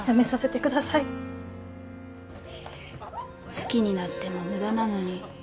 好きになっても無駄なのに。